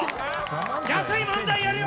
安い漫才やるよ！